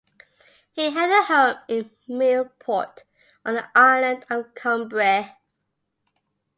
He had a home in Millport on the island of Cumbrae.